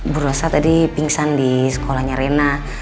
buru rasa tadi pingsan di sekolahnya reina